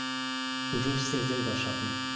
Du wirfst dir selber Schatten.